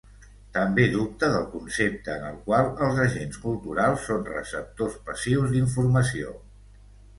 També dubta del concepte en el qual els agents culturals són receptors passius d'informació.